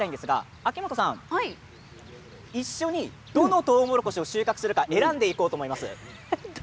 秋元さん一緒にどのとうもろこしを収穫するか選んでいこうと思います。